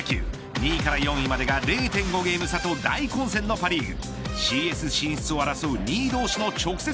２位から４位までが０．５ゲーム差と大混戦のパ・リーグ。